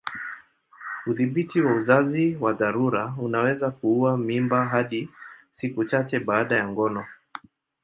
Udhibiti wa uzazi wa dharura unaweza kuua mimba hadi siku chache baada ya ngono.